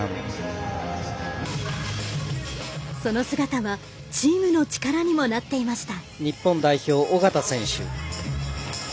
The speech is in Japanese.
その姿はチームの力にもなっていました。